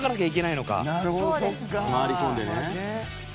回り込んでね。